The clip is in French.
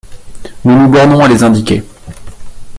Nous nous bornons à les indiquer.